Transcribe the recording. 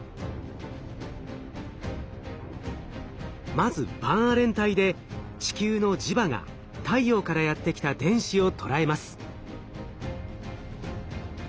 まずバンアレン帯で地球の磁場が太陽からやって来た電子をとらえます。